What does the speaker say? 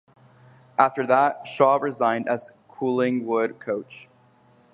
After that, Shaw resigned as Collingwood coach.